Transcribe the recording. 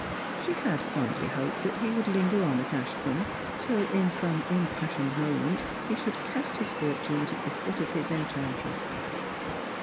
She had fondly hoped that he would linger on at Ashcombe till in some impassioned moment he should cast his fortunes at the feet of his enchantress.